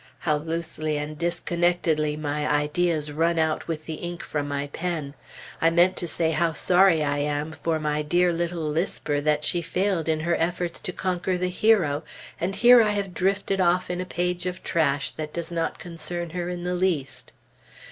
How loosely and disconnectedly my ideas run out with the ink from my pen! I meant to say how sorry I am for my dear little lisper that she failed in her efforts to conquer the "Hero"; and here I have drifted off in a page of trash that does not concern her in the least.